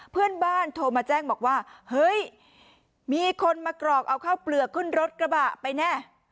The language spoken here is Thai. เพื่อนบ้านโทรมาแจ้งบอกว่าเฮ้ยมีคนมากรอกเอาข้าวเปลือกขึ้นรถกระบะไปแน่